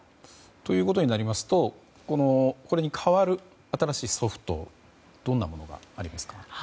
ということになりますとこれに代わる新しいソフトどんなものがありますか？